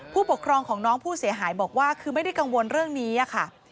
ผู้ปกครองของน้องผู้เสียหายบอกว่าคือไม่ได้กังวลเรื่องนี้ค่ะ